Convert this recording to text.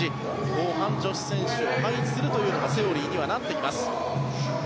後半、女子選手を配置するというのがセオリーになってきます。